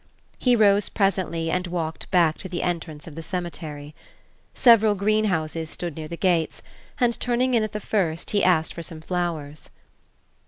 He rose presently and walked back to the entrance of the cemetery. Several greenhouses stood near the gates, and turning in at the first he asked for some flowers.